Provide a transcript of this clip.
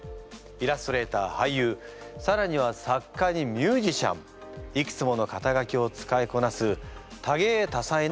イラストレーター俳優さらには作家にミュージシャンいくつものかたがきを使いこなす多芸多才な人物です。